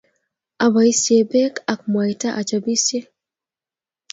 Aboisie pek ak mwaita achopisie